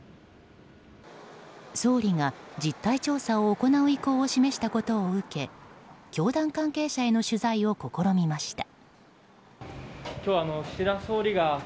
総理が実態調査を行う意向を示したことを受け教団関係者への取材を試みました。